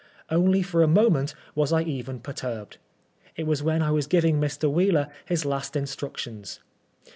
Only for a moment was I even perturbed. It was when I was giving Mr. Wheeler his last instructions.